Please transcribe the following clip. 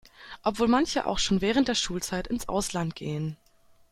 Obwohl manche auch schon während der Schulzeit ins Ausland gehen.